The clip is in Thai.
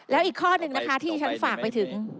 แล้วอีกข้อหนึ่งนะคะที่ฉันฝากไปถึง